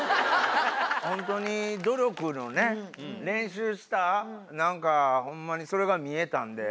本当に努力のね練習したなんかホンマにそれが見えたんで。